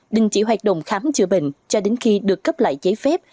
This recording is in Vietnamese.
đình chỉ hoạt động khám chữa bệnh cho đến khi được cấp lại giấy phép